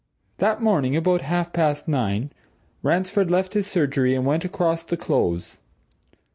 That morning, about half past nine, Ransford left his surgery and went across the Close.